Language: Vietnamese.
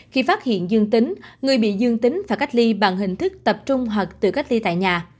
khi phát hiện dương tính người bị dương tính và cách ly bằng hình thức tập trung hoặc tự cách ly tại nhà